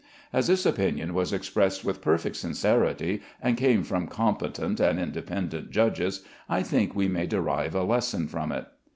As this opinion was expressed with perfect sincerity, and came from competent and independent judges, I think we may derive a lesson from it.